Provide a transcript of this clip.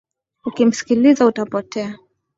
Ukimsikiliza utapotea